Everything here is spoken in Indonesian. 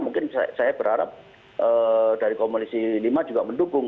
mungkin saya berharap dari komisi lima juga mendukung